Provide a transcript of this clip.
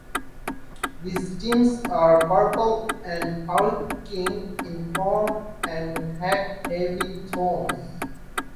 The stems are purple and arching in form and has heavy thorns.